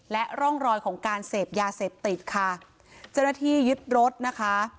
และร่องรอยของการเสพยาเสพติดค่ะเจ้าหน้าที่ยึดรถนะคะ